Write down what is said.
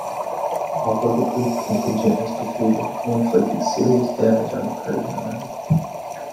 Although the Greek contingent was defeated, they inflicted serious damage on the Persian army.